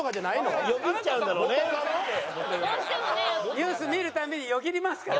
ニュース見る度によぎりますから。